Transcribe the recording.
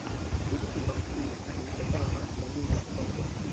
virusi vya ukimwi vimetokana na jamii ya sokwe